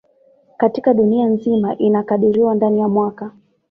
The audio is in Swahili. Katika dunia nzima inakadiriwa ndani ya mwaka